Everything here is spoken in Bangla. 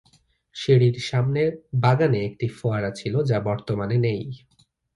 সিঁড়ির সামনে বাগানে একটি ফোয়ারা ছিল, যা বর্তমানে নেই।